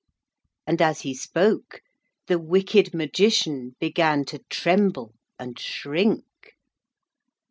And as he spoke the wicked Magician began to tremble and shrink.